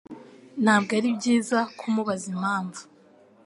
ntabwo ari byiza kumubaza impamvu